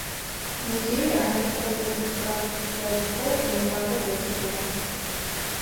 Музеир анахь кӏопӏэ-чӏыпӏэ лъэгъупхъэу Мыекъуапэ дэты хъугъэ.